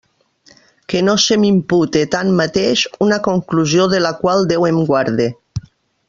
Que no se m'impute, tanmateix, una conclusió de la qual Déu em guarde.